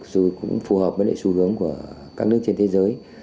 dù cũng phù hợp với lại xu hướng của các nước trên thế giới